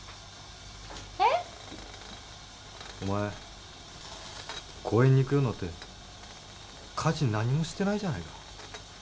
えっ？お前公園に行くようになって家事何にもしてないじゃないか。